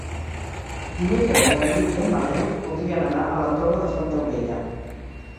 Dimecres en David i en Manel voldrien anar a la Torre de Fontaubella.